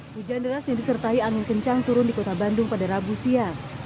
hujan deras yang disertai angin kencang turun di kota bandung pada rabu siang